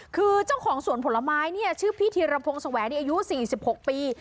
คือเจ้าของสวนผลไม้เนี่ยชื่อพี่ธีรพงศ์แสวงอายุ๔๖ปี